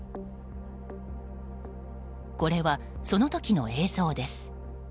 これは、その時の映像です。